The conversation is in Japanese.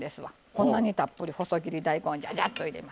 こんなにたっぷり細切り大根じゃじゃっと入れます。